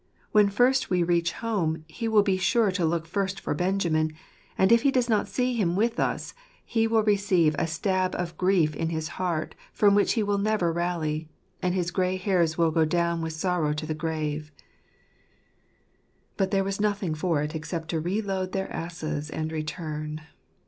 When first we reach home, he will be sure to look first for Benjamin ; and if he does not see him with us, he will receive a stab of grief in his heart from which he will never rally, and his grey hairs will go down with sorrow to the grave." But there was nothing for it except to reload their asses and return.